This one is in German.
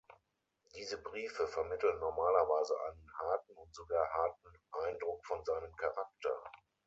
Diese Briefe vermitteln normalerweise einen harten und sogar harten Eindruck von seinem Charakter.